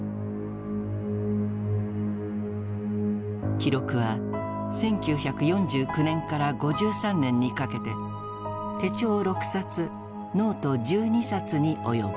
記録は１９４９年から５３年にかけて手帳６冊ノート１２冊に及ぶ。